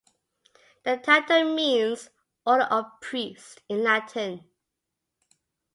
The title means "Order of Priests" in Latin.